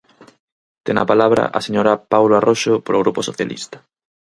Ten a palabra a señora Paulo Arroxo polo Grupo Socialista.